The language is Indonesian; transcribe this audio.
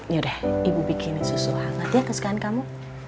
ya udah ibu bikin susu hangat ya kesukaan kamu